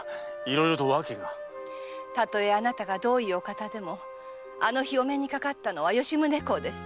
たとえあなたがどういうお方でもあの日お目にかかったのは吉宗公です。